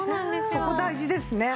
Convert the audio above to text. そこ大事ですね。